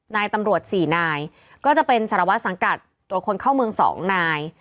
นายตำรวจสี่นายก็จะเป็นสารวัตรสังกัดตรวจคนเข้าเมือง๒นาย